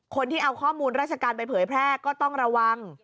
คนที่เอาข้อมูลราชการไปเผยแพร่ก็ต้องระวัง